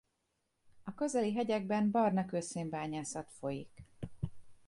A közeli hegyekben barnakőszén-bányászat folyik.